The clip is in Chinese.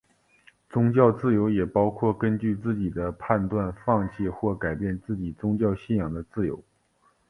宗教自由也包括根据自己的判断放弃或改变自己的宗教信仰的自由。